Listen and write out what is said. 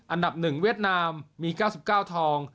อันดับ๑เวียดนามมี๙๙ทอง